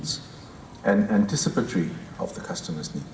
dan antipati kebutuhan pelanggan